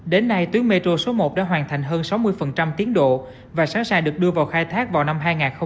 đến nay tuyến metro số một đã hoàn thành hơn sáu mươi tiến độ và sẵn sàng được đưa vào khai thác vào năm hai nghìn hai mươi